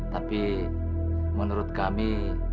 tapi menurut kami